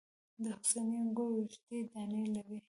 د حسیني انګور اوږدې دانې لري.